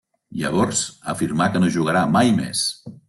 Llavors afirma que no jugarà mai més.